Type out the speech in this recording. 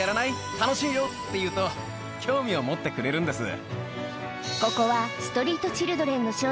って言うと興味を持ってくれるんです。